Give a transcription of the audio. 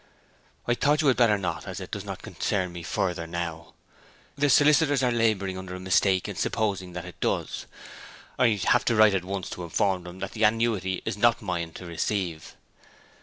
'I thought you had better not, as it does not concern me further now. The solicitors are labouring under a mistake in supposing that it does. I have to write at once and inform them that the annuity is not mine to receive.'